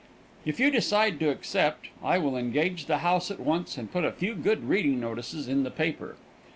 If you decide to accept, I will engage the house at once and put a few good reading notices in the papers.